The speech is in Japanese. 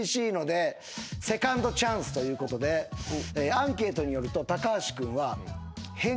アンケートによると高橋君は。